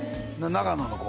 長野の子？